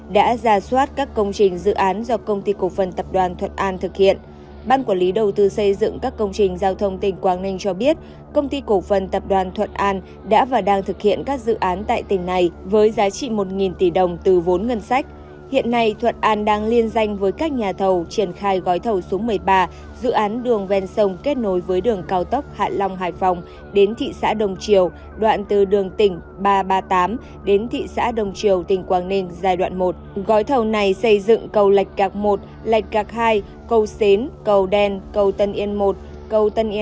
lệch gạc hai cầu xến cầu đen cầu tân yên i cầu tân yên ii cầu hang son cầu sông cầu vàng cầu sông cầm cầu sông đạm thủy